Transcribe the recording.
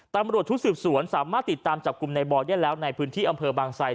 ตำรวจชุดสืบสวนสามารถติดตามจับกลุ่มในบอยได้แล้วในพื้นที่อำเภอบางไซ